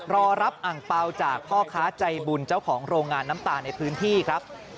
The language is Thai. รอรับอังเปล่าจากพ่อค้าใจบุญเจ้าของโรงงานน้ำตาลในพื้นที่ครับ